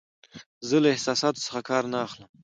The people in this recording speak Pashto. زه له احساساتو څخه کار نه اخلم.